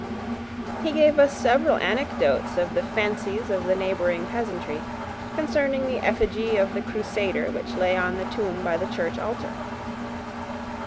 He gave us several anecdotes of the fancies of the neighbouring peasantry, concerning the effigy of the crusader which lay on the tomb by the church altar.